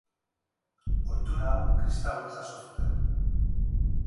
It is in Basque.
Ohitura hau kristauek jaso zuten.